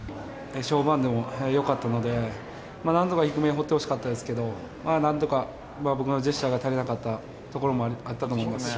もよかったので、なんとか低めに放ってほしかったですけど、なんとか僕のジェスチャーが足りなかったところもあったと思いますし。